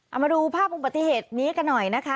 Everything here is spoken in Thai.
เอามาดูภาพอุบัติเหตุนี้กันหน่อยนะคะ